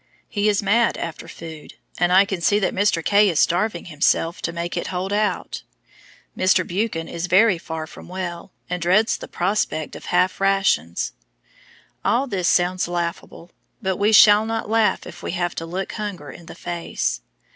He is mad after food, and I see that Mr. K. is starving himself to make it hold out. Mr. Buchan is very far from well, and dreads the prospect of "half rations." All this sounds laughable, but we shall not laugh if we have to look hunger in the face!